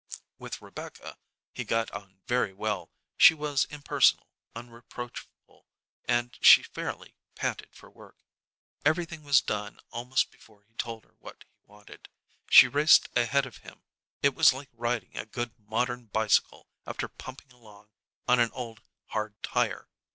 With Rebecca he got on very well; she was impersonal, unreproachful, and she fairly panted for work. Everything was done almost before he told her what he wanted. She raced ahead with him; it was like riding a good modern bicycle after pumping along on an old hard tire.